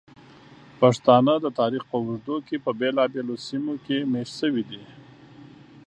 پښتانه د تاریخ په اوږدو کې په بېلابېلو سیمو کې میشت شوي دي.